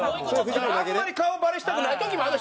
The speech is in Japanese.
あんまり顔バレしたくない時もあんのよ。